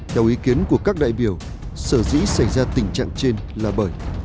theo ý kiến của các đại biểu sở dĩ xảy ra tình trạng trên là bởi